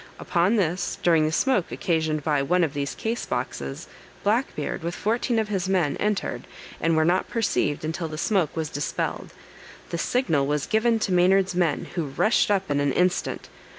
_] Upon this, during the smoke occasioned by one of these case boxes, Black Beard, with fourteen of his men, entered, and were not perceived until the smoke was dispelled. The signal was given to Maynard's men, who rushed up in an instant.